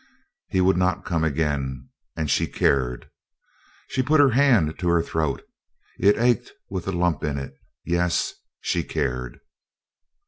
He would not come again and she cared. She put her hand to her throat. It ached with the lump in it yes, she cared.